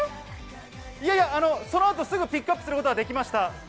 いやいや、そのあとすぐピックアップすることができました。